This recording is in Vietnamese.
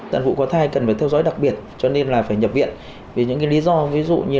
tận vụ có thai cần phải theo dõi đặc biệt cho nên là phải nhập viện vì những lý do ví dụ như